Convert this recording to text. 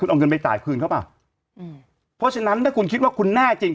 เอาเงินไปจ่ายคืนเขาเปล่าอืมเพราะฉะนั้นถ้าคุณคิดว่าคุณแน่จริง